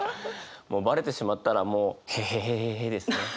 もうバレてしまったらもう「ヘヘヘヘへ」ですね。